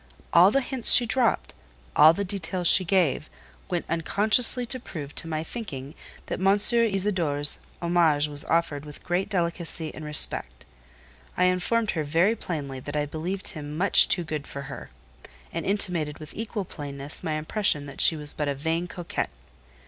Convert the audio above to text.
All the hints she dropped, all the details she gave, went unconsciously to prove, to my thinking, that M. Isidore's homage was offered with great delicacy and respect. I informed her very plainly that I believed him much too good for her, and intimated with equal plainness my impression that she was but a vain coquette.